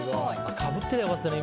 かぶってりゃよかったね、今。